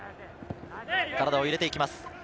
体を入れていきます。